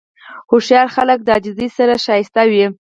هوښیار خلک د عاجزۍ سره ښایسته وي.